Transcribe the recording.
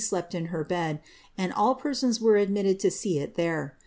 aiepl ia her bed, aadmll peraona ware admittad to aea it there.